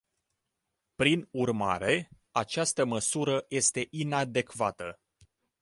Prin urmare, această măsură este inadecvată.